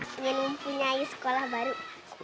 pengen nyanyi sekolah baru